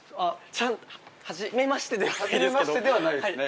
はじめましてではないですね。